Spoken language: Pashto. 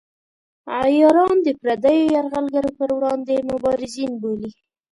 عیاران د پردیو یرغلګرو پر وړاندې مبارزین بولي.